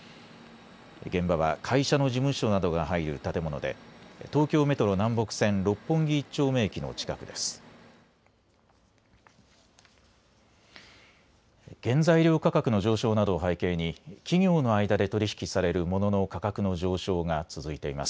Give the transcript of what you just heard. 現場は会社の事務所などが入る建物で東京メトロ南北線六本木一丁目駅の近くです。